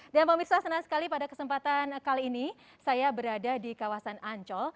pemirsa senang sekali pada kesempatan kali ini saya berada di kawasan ancol